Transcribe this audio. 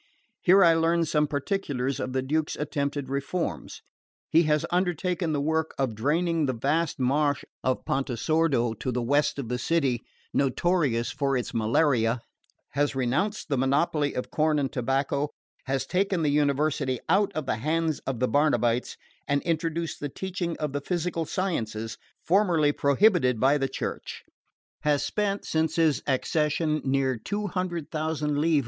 Here I learned some particulars of the Duke's attempted reforms. He has undertaken the work of draining the vast marsh of Pontesordo, to the west of the city, notorious for its mal'aria; has renounced the monopoly of corn and tobacco; has taken the University out of the hands of the Barnabites, and introduced the teaching of the physical sciences, formerly prohibited by the Church; has spent since his accession near 200,000 liv.